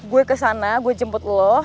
gue kesana gue jemput lo